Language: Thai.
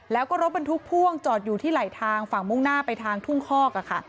แล้วก็รถบรรทุกพ่วงจอดอยู่ที่ไหลทางฝั่งมุ่งหน้าไปทางทุ่งคอกค่ะ